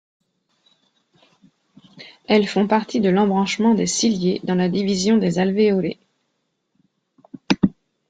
Elles font partie de l'embranchement des ciliés, dans la division des alvéolés.